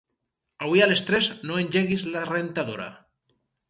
Avui a les tres no engeguis la rentadora.